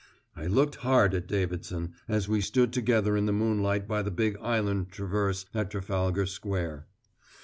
I looked hard at Davidson, as we stood together in the moonlight by the big island traverse at Trafalgar Square.